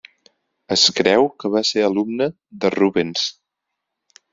Es creu que va ser alumne de Rubens.